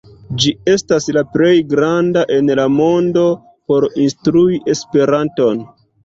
Ĝi estas la plej granda en la mondo por instrui Esperanton.